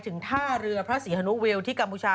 ถึงท่าเรือพระศรีฮนูโวิวที่กาหมูชา